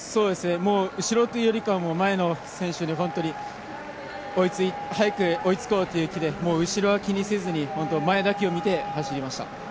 後ろというよりかは前の選手に本当に早く追いつこうという気で後ろは気にせずに、前だけを見て走りました。